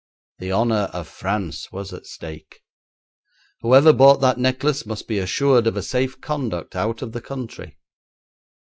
The honour of France was at stake. Whoever bought that necklace must be assured of a safe conduct out of the country.